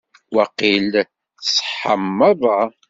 Waqil tṣeḥḥam merra.